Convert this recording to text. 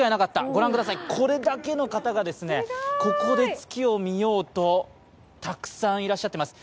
ご覧ください、これだけの方がここで月を見ようとたくさんいらっしゃっています。